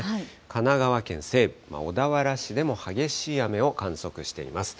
神奈川県西部、小田原市でも激しい雨を観測しています。